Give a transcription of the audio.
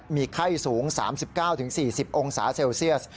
มีไข้สูง๓๙๔๐องศาเซลเซียส